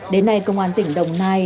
đến nay công an tỉnh đồng nai